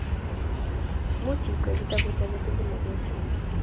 Much ikwey kitabut age tugul negecham